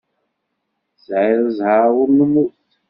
Tesεiḍ ẓẓher ur nemmut.